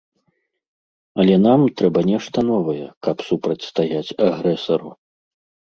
Але нам трэба нешта новае, каб супрацьстаяць агрэсару.